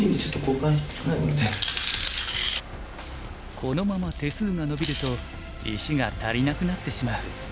このまま手数がのびると石が足りなくなってしまう。